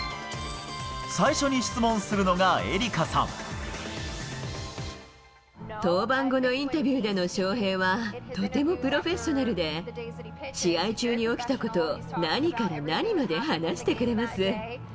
最初に質問するのが、エリカ登板後のインタビューでの翔平は、とてもプロフェッショナルで、試合中に起きたことを何から何まで話してくれます。